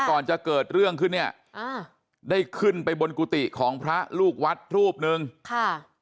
ก่อนจะเกิดเรื่องขึ้นเนี่ยอ่าได้ขึ้นไปบนกุฏิของพระลูกวัดรูปหนึ่งค่ะ